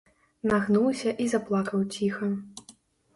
Нагнуўся і заплакаў ціха.